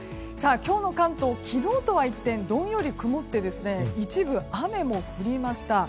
今日の関東昨日とは一転どんより曇って一部雨も降りました。